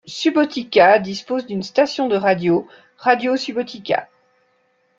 Subotica dispose d'une station de radio, Radio Subotica.